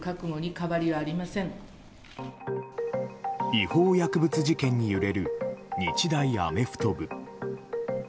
違法薬物事件に揺れる日大アメフト部。